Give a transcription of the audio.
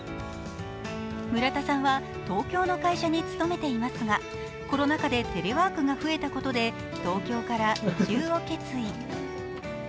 村田さんは東京の会社に勤めていますがコロナ禍でテレワークが増えたことで東京から移住を決意。